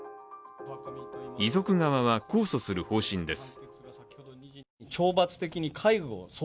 遺族側は控訴する方針です。